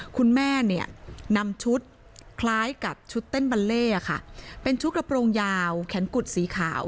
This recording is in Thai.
คุณแม่เนี่ยนำชุดคล้ายกับชุดเต้นบัลเล่ค่ะเป็นชุดกระโปรงยาวแขนกุดสีขาว